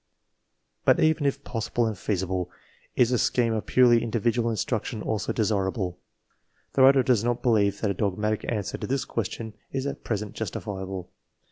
^But even if possible and feasible, is a scheme of purely individual instruction also desirable? The writer does not believe that a dogmatic answer to this question is at present justifiable.